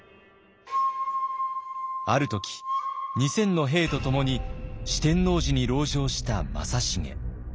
ある時２，０００の兵とともに四天王寺に籠城した正成。